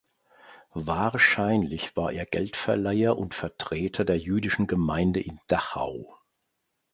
Wahrscheinlich war er Geldverleiher und Vertreter der jüdischen Gemeinde in Dachau.